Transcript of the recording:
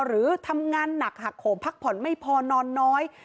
หรือทำงานหนักหักโขมพักผ่อนไม่พอนอนน้อย